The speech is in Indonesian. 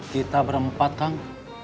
kita berempat kang